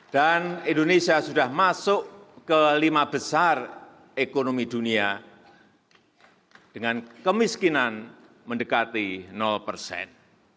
dan indonesia sudah masuk ke lima besar ekonomi dunia dengan kemiskinan mendekati persen